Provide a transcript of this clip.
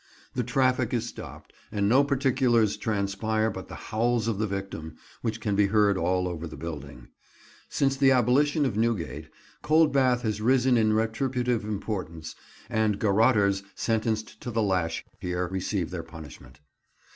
The traffic is stopped, and no particulars transpire but the howls of the victim, which can be heard all over the building. Since the abolition of Newgate, Coldbath has risen in retributive importance, and garrotters sentenced to the lash here receive their punishment.